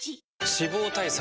脂肪対策